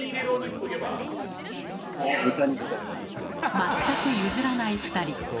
全く譲らない２人。